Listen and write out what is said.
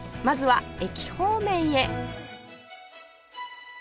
まずは駅方面へ